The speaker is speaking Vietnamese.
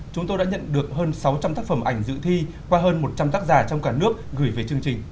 chúng tôi đã nhận được hơn sáu trăm linh tác phẩm ảnh dự thi qua hơn một trăm linh tác giả trong cả nước gửi về chương trình